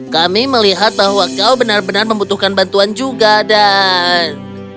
kami melihat bahwa kau benar benar membutuhkan bantuan juga dan